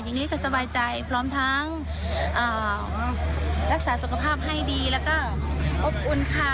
อย่างนี้ก็สบายใจพร้อมทั้งรักษาสุขภาพให้ดีแล้วก็อบอุ่นค่ะ